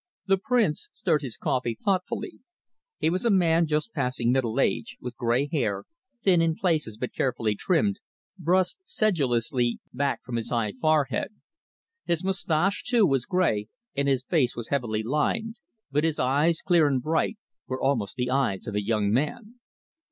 The Prince stirred his coffee thoughtfully. He was a man just passing middle age, with grey hair, thin in places but carefully trimmed, brushed sedulously back from his high forehead. His moustache, too, was grey, and his face was heavily lined, but his eyes, clear and bright, were almost the eyes of a young man.